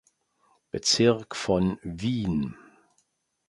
Bezirk von Wien.